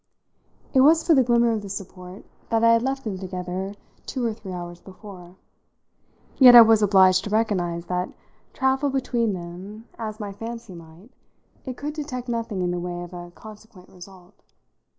It was for the glimmer of this support that I had left them together two or three hours before; yet I was obliged to recognise that, travel between them as my fancy might, it could detect nothing in the way of a consequent result.